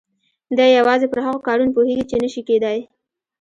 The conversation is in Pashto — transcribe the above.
دی يوازې پر هغو کارونو پوهېږي چې نه شي کېدای.